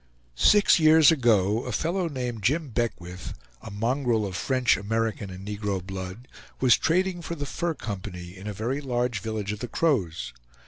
Six years ago a fellow named Jim Beckwith, a mongrel of French, American, and negro blood, was trading for the Fur Company, in a very large village of the Crows.